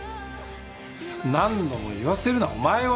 何度も言わせるなお前は。